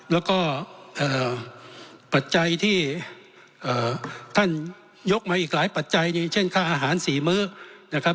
แล้วก็ปัจจัยที่ท่านยกมาอีกหลายปัจจัยเช่นค่าอาหาร๔มื้อนะครับ